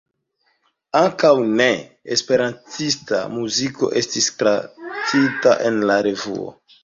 Ankaŭ ne-esperantista muziko estis traktita en la revuo.